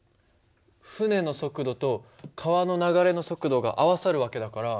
船の速度と川の流れの速度が合わさる訳だから。